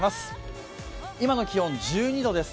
今の気温１２度です。